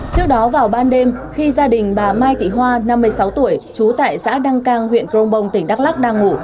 trước đó vào ban đêm khi gia đình bà mai thị hoa năm mươi sáu tuổi trú tại xã đăng cang huyện crong bong tỉnh đắk lắc đang ngủ